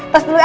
tos dulu ya